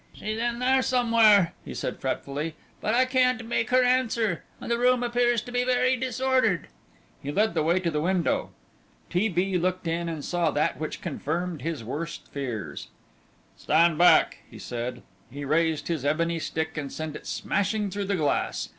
"She's in there somewhere," he said, fretfully, "but I can't make her answer ... and the room appears to be very disordered." He led the way to the window. T. B. looked in and saw that which confirmed his worst fears. "Stand back," he said. He raised his ebony stick and sent it smashing through the glass.